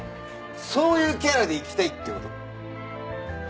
そういうキャラでいきたいって事？